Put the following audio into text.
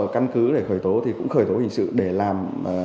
căn cứ để khởi tố thì cũng khởi tố hình sự để làm